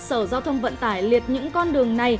sở giao thông vận tải liệt những con đường